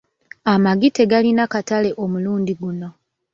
Amagi tegalina katale omulundi guno.